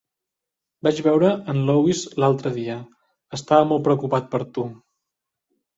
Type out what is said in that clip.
Vaig veure en Louis l'altre dia; estava molt preocupat per tu.